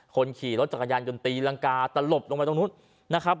คนขี่รถจักรยานยนต์ตีรังกาตลบลงไปตรงนู้นนะครับ